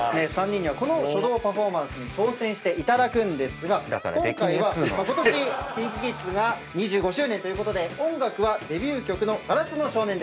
３人にはこの書道パフォーマンスに挑戦していただくんですが今回はことしＫｉｎＫｉＫｉｄｓが２５周年ということで音楽はデビュー曲の『硝子の少年』で。